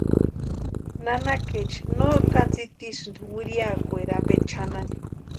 Nanakaecha no kani tsitisïnti wiriakweri ampe chʼanani.